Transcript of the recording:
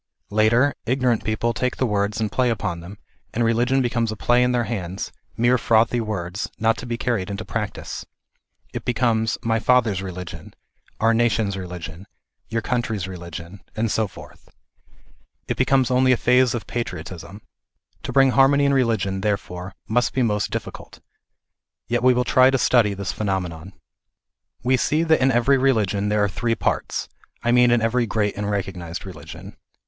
Later, ignorant people take the words and play upon them, and religion becomes a play in their hands, mere frothy words, not to be carried into practice. It becomes " my father's religion," " our nation's religion," " your country's religion,^ and so forth. It becomes only a phase of patriot ism. To bring harmony in religion, therefore, must be most difficult. Yet we will try to study this phenomenon. We see that in every religion there are three parts ŌĆö I mean in every great and recognized religion.